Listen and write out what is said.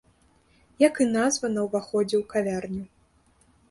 Як і назва на ўваходзе ў кавярню.